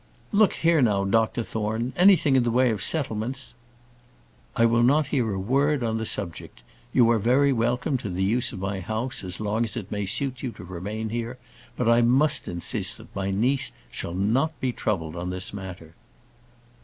"Look here now, Dr Thorne; anything in the way of settlements " "I will not hear a word on the subject: you are very welcome to the use of my house as long as it may suit you to remain here; but I must insist that my niece shall not be troubled on this matter."